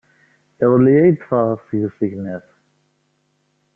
Iḍelli ay d-ffɣeɣ seg usegnaf.